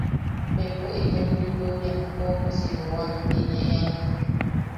“bempo itom lutuʼuriam koʼokosi jooa” ti ne ean.